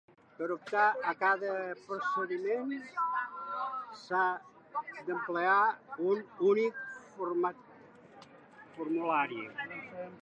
Per optar a cada procediment s'ha d'emplenar un únic formulari.